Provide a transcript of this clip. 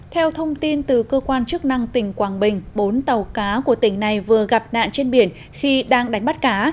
theo thông tin từ cơ quan chức năng tỉnh quảng bình bốn tàu cá của tỉnh này vừa gặp nạn trên biển khi đang đánh bắt cá